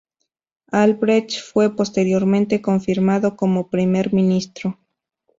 Albrecht fue posteriormente confirmado como primer ministro.